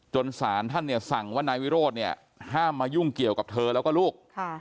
สารท่านเนี่ยสั่งว่านายวิโรธเนี่ยห้ามมายุ่งเกี่ยวกับเธอแล้วก็ลูก